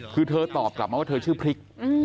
คือเธอตอบกลับมาว่าเธอชื่อพริก